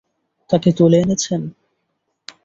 তাকেও তুলে এনেছেন?